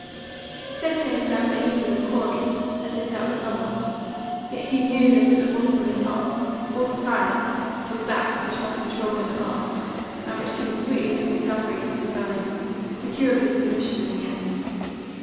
He said to himself that he was a Corey, as if that were somewhat; yet he knew that at the bottom of his heart all the time was that which must control him at last, and which seemed sweetly to be suffering his rebellion, secure of his submission in the end.